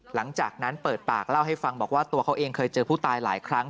หลังจากนั้นเปิดปากเล่าให้ฟังบอกว่าตัวเขาเองเคยเจอผู้ตายหลายครั้ง